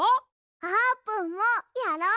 あーぷんもやろう！